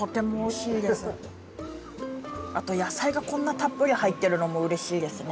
あと野菜がこんなたっぷり入ってるのもうれしいですね。